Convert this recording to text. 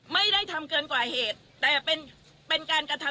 ไม่ได้ทำเกินกว่าเหตุ